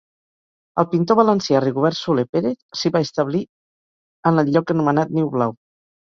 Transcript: El pintor valencià Rigobert Soler Pérez s'hi va establir en el lloc anomenat Niu Blau.